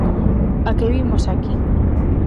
¿A que vimos aquí?